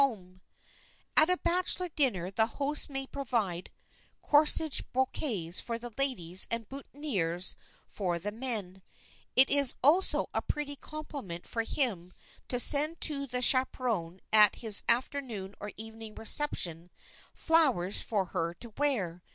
[Sidenote: THE BACHELOR DINNER] At a bachelor dinner the host may provide corsage bouquets for the ladies and boutonnières for the men. It is also a pretty compliment for him to send to the chaperon at his afternoon or evening reception, flowers for her to wear.